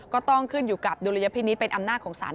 ก็ต้องขึ้นอยู่กับดุลยพินิษฐ์เป็นอำนาจของสาร